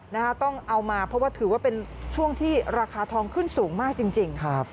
ต้องเอามาเพราะว่าถือว่าเป็นช่วงที่ราคาทองขึ้นสูงมากจริงจริงครับ